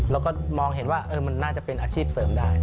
แล้วก็มองเห็นว่ามันน่าจะเป็นอาชีพเสริมได้